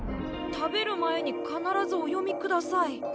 「食べる前に必ずお読みください！」。